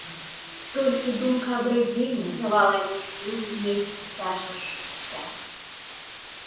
Толькі думка аб радзіме давала яму сілы несці цяжар жыцця.